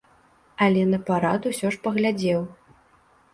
Але на парад усё ж паглядзеў.